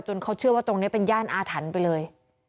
เขาเชื่อว่าตรงนี้เป็นย่านอาถรรพ์ไปเลย